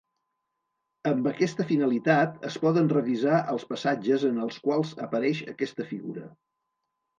Amb aquesta finalitat, es poden revisar els passatges en els quals apareix aquesta figura.